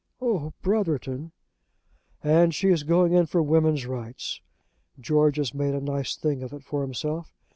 "Oh, Brotherton!" "And she is going in for women's rights! George has made a nice thing of it for himself.